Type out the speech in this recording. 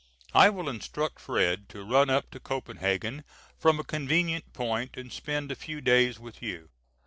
I will instruct Fred. to run up to Copenhagen from a convenient point and spend a few days with you.